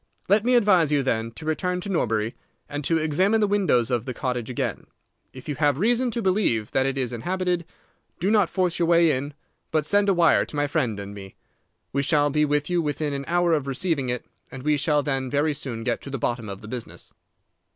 Let me advise you, then, to return to Norbury, and to examine the windows of the cottage again. If you have reason to believe that it is inhabited, do not force your way in, but send a wire to my friend and me. We shall be with you within an hour of receiving it, and we shall then very soon get to the bottom of the business."